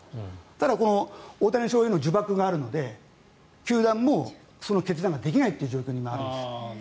ただ、大谷翔平の呪縛があるので球団もその決断ができない状況にあるんです。